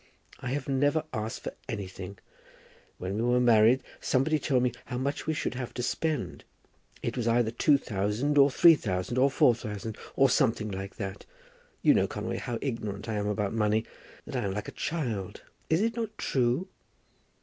I have never asked for anything. When we were married somebody told me how much we should have to spend. It was either two thousand, or three thousand, or four thousand, or something like that. You know, Conway, how ignorant I am about money; that I am like a child. Is it not true?"